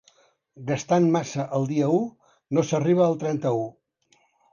Gastant massa el dia u, no s'arriba al trenta-u.